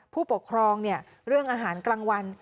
ผู้ปกครองเรื่องอาหารกลางวัน